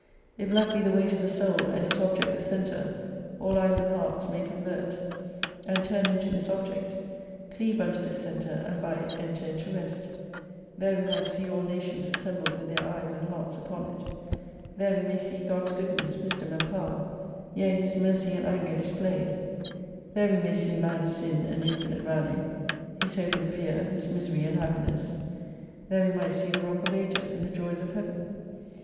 If Love be the weight of the Soul, and its object the centre, all eyes and hearts may convert and turn unto this Object : cleave unto this centre, and by it enter into rest. There we might see aU nations assembled with their eyes and hearts upon it. There we may see God's goodness, wisdom and power : yea His mercy and anger displayed. There we may see man's sin and infinite value. His hope and fear, his misery and happiness. There we might see the Rock of Ages, and the Joys of Heaven.